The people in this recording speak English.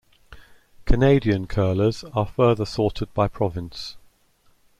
Canadian curlers are further sorted by province.